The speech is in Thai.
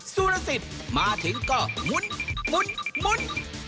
สู่รสิทธิ์มาถึงก็หมุนหมุนหมุน